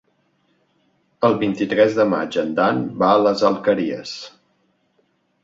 El vint-i-tres de maig en Dan va a les Alqueries.